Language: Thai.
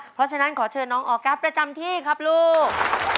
เพราะฉะนั้นขอเชิญน้องออกัสประจำที่ครับลูก